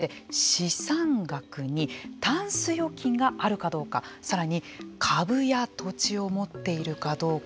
名前、年齢、職業そして、資産額にタンス預金があるかどうかさらに株や土地を持っているかどうか。